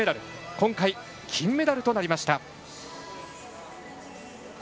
今回、金メダルとなりました。